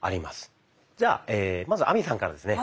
じゃあまず亜美さんからですね。